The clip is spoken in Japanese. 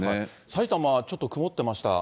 埼玉はちょっと曇ってました。